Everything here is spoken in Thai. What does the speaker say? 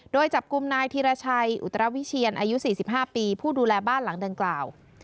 โดยจับกุมนายธิรชัยอุตรวิเชียรอายุสี่สิบห้าปีผู้ดูแลบ้านหลังเดินกล่าว